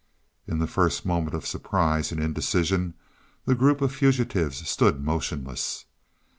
In the first moment of surprise and indecision the group of fugitives stood motionless.